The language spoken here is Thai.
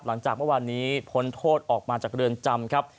หลังจากเมื่อวานนี้พ้นโทษออกมาจากเรือนจำครับ